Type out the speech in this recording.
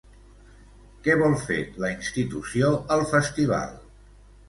Què vol fer la institució al festival?